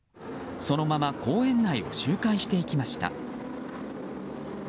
そのまま公園内を周回していきました。